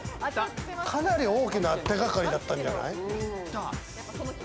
かなり大きな手掛かりだったんじゃない？